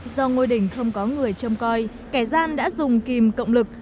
do ngôi đình không có người châm coi kẻ gian đã dùng kìm cộng lực